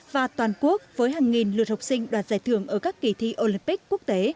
và toàn quốc với hàng nghìn lượt học sinh đoạt giải thưởng ở các kỳ thi olympic quốc tế